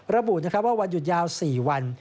ระบุว่าวันหยุดยาว๔วัน